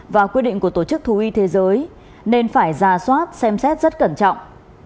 và quyết định của tổ chức thú y thế giới nên phải ra soát xem xét rất cẩn trọng